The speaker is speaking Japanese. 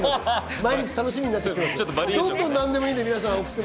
毎日、楽しみになっちゃってる。